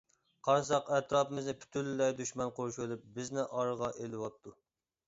قارىساق ئەتراپىمىزنى پۈتۈنلەي دۈشمەن قورشىۋېلىپ، بىزنى ئارىغا ئېلىۋاپتۇ.